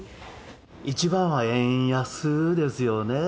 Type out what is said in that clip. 一番は円安ですよね。